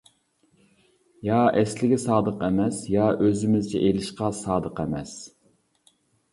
يا ئەسلىگە سادىق ئەمەس، يا ئۆزىمىزچە ئېلىشقا سادىق ئەمەس.